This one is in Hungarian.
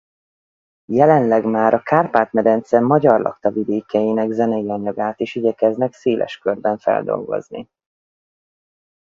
Jelenleg már a Kárpát-medence magyarlakta vidékeinek zenei anyagát is igyekeznek széles körben feldolgozni.